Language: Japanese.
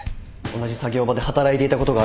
同じ作業場で働いていたことがあるそうです。